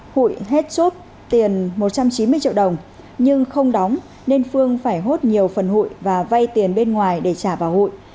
hụi hết chốt tiền một trăm chín mươi triệu đồng nhưng không đóng nên phương phải hốt nhiều phần hụi và vay tiền bên ngoài để trả vào hụi